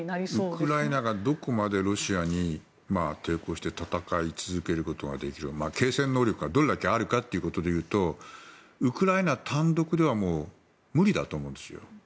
ウクライナがどこまでロシアに抵抗して戦い続けることができる継戦能力がどれだけあるかでいうとウクライナ単独では無理だと思うんです。